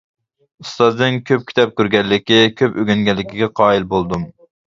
ئۇستازنىڭ كۆپ كىتاب كۆرگەنلىكى، كۆپ ئۆگەنگەنلىكىگە قايىل بولدۇم.